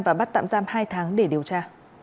và bắt tạm giam hai tháng để điều tra